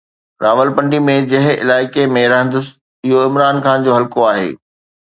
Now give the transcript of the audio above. راولپنڊي ۾ جنهن علائقي ۾ رهندس اهو عمران خان جو حلقو آهي.